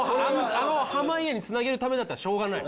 あの濱家に繋げるためだったらしょうがない。